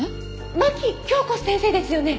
牧京子先生ですよね？